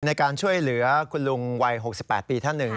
ในการช่วยเหลือคุณลุงวัย๖๘ปีท่านหนึ่ง